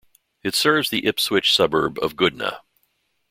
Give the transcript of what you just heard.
It serves the Ipswich suburb of Goodna.